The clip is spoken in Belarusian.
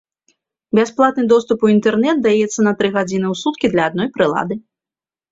Бясплатны доступ у інтэрнэт даецца на тры гадзіны ў суткі для адной прылады.